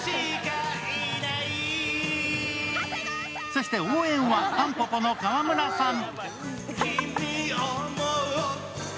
そして応援は、たんぽぽの川村さん。